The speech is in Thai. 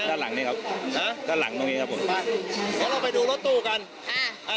ด้านหลังนี้ครับนะด้านหลังตรงนี้ครับผมบ้านเพราะเราไปดูรถตู้กันอ่าอ่า